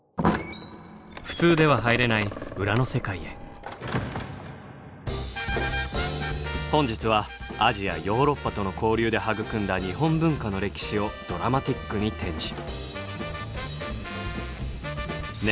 普通では入れない本日はアジアヨーロッパとの交流で育んだ日本文化の歴史をドラマティックに展示。